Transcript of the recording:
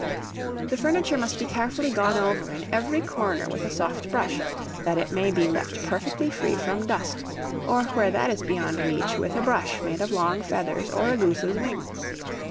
The furniture must be carefully gone over in every corner with a soft cloth, that it may be left perfectly free from dust; or where that is beyond reach, with a brush made of long feathers, or a goose's wing.